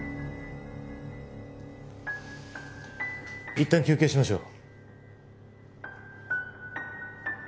いったん休憩しましょう。